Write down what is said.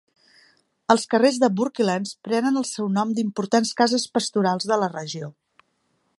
Els carrers de Bourkelands prenen el seu nom "d'importants cases pastorals de la regió".